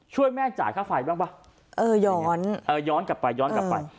ช่วยแม่จ่ายค่าไฟบ้างป่ะเออย้อนเออย้อนกลับไปย้อนกลับไป